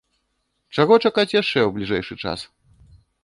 Чаго чакаць яшчэ ў бліжэйшы час?